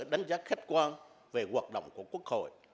đánh giá khách quan về hoạt động của quốc hội